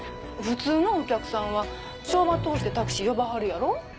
普通のお客さんは帳場通してタクシー呼ばはるやろ？